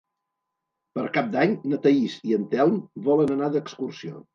Per Cap d'Any na Thaís i en Telm volen anar d'excursió.